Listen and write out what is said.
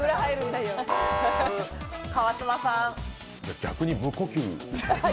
逆に無呼吸？